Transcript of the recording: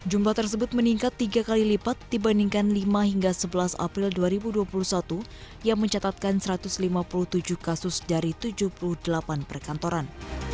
jumlah tersebut meningkat tiga kali lipat dibandingkan lima hingga sebelas april dua ribu dua puluh satu yang mencatatkan satu ratus lima puluh tujuh kasus dari tujuh puluh delapan perkantoran